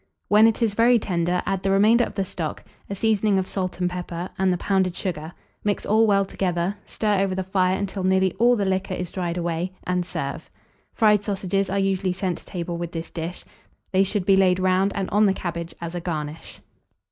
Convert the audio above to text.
When it is very tender, add the remainder of the stock, a seasoning of salt and pepper, and the pounded sugar; mix all well together, stir over the fire until nearly all the liquor is dried away, and serve. Fried sausages are usually sent to table with this dish: they should be laid round and on the cabbage, as a garnish.